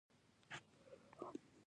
اوس باید د ممکنه فکتورونو په لټه کې شو